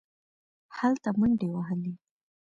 هلته منډې وهلې.